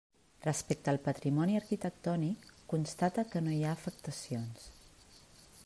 Respecte al patrimoni arquitectònic constata que no hi ha afectacions.